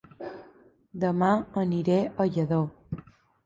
Dema aniré a Lladó